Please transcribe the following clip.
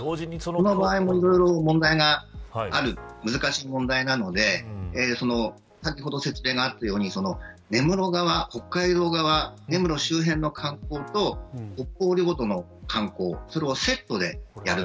その場合も、いろいろと問題がある難しい問題なので先ほど説明があったように根室側、北海道側根室周辺の観光と北方領土の観光、それをセットでやる。